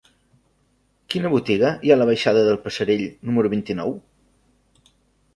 Quina botiga hi ha a la baixada del Passerell número vint-i-nou?